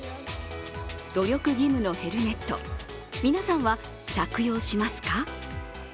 努力義務のヘルメット、皆さんは着用しますか？